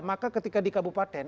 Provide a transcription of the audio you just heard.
maka ketika di kabupaten